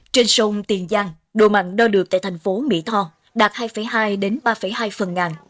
trên sông tiền giang đồ mặn đo được tại thành phố mỹ tho đạt hai hai ba hai phần ngàn